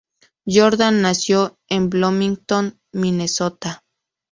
Jordan nació en Bloomington, Minnesota.